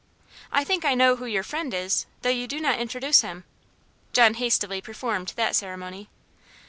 "I think I know who your friend is, though you do not introduce him." (John hastily performed that ceremony.)